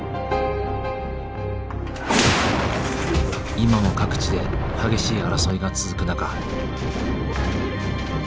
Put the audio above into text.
今も各地で激しい争いが続く中。